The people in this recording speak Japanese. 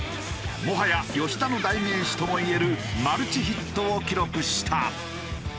もはや吉田の代名詞ともいえるマルチヒットを記録した。